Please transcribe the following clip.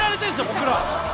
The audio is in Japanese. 僕ら。